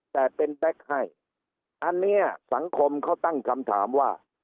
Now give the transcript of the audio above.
แต่เป็นแบ็คให้อันนี้สังคมเขาตั้งคำถามว่า